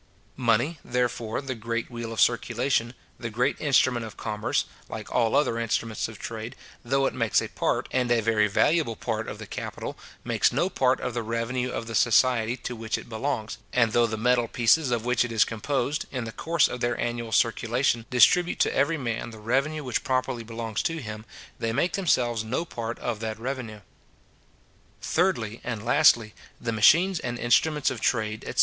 Money, therefore, the great wheel of circulation, the great instrument of commerce, like all other instruments of trade, though it makes a part, and a very valuable part, of the capital, makes no part of the revenue of the society to which it belongs; and though the metal pieces of which it is composed, in the course of their annual circulation, distribute to every man the revenue which properly belongs to him, they make themselves no part of that revenue. Thirdly, and lastly, the machines and instruments of trade, etc.